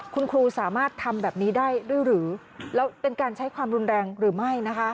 คุณครูสามารถทำแบบนี้ได้ด้วยหรือแล้วเป็นการใช้ความรุนแรงหรือไม่นะคะ